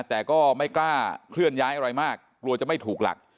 แต่ก็ไม่กล้าเคลื่อนย้ายอะไรมากกลัวจะไม่ถูกหลัก